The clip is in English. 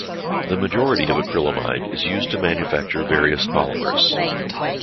The majority of acrylamide is used to manufacture various polymers.